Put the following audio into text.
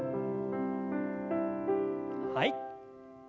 はい。